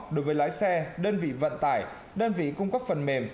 đối với lái xe đơn vị vận tải đơn vị cung cấp phần mềm